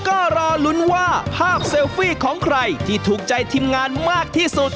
ก็รอลุ้นว่าภาพเซลฟี่ของใครที่ถูกใจทีมงานมากที่สุด